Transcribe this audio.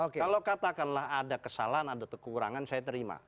kalau katakanlah ada kesalahan ada kekurangan saya terima